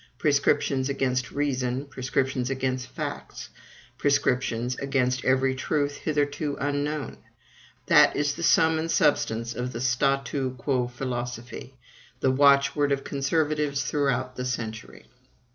Prescriptions against reason, prescriptions against facts, prescriptions against every truth hitherto unknown, that is the sum and substance of the statu quo philosophy, the watchword of conservatives throughout the centuries.